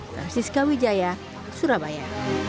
francisca wijaya surabaya